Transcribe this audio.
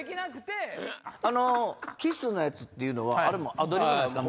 キスのやつっていうのはアドリブなんすか？